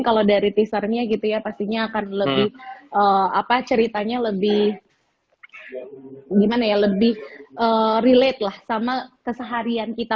kalau dari teaser nya gitu ya pastinya akan lebih ceritanya lebih relate lah sama keseharian kita